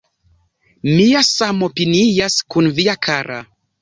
Mia samopinias kun via kara